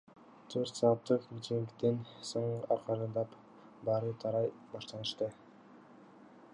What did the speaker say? Төрт саатык митингден соң акырындап баары тарай башташты.